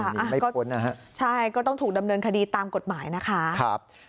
ใช่ค่ะใช่ก็ต้องถูกดำเนินคดีตามกฎหมายนะคะครับ